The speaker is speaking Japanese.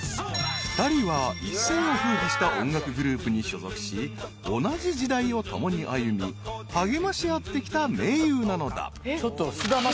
［２人は一世を風靡した音楽グループに所属し同じ時代を共に歩み励まし合ってきた盟友なのだ］